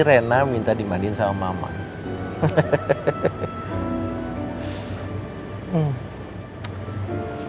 rena minta dimandiin sama mama